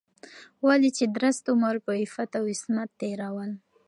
ولې چې درست عمر په عفت او عصمت تېرول